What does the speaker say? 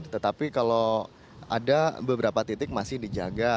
tetapi kalau ada beberapa titik masih dijaga